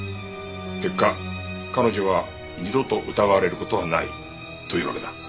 結果彼女は二度と疑われる事はないというわけだ。